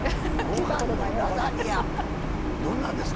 どんなんですか？